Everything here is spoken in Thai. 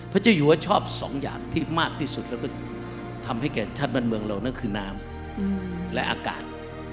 เจ้าอยู่ว่าชอบสองอย่างที่มากที่สุดแล้วก็ทำให้แก่ชาติบ้านเมืองเรานั่นคือน้ำและอากาศ